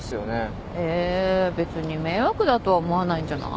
え別に迷惑だとは思わないんじゃない？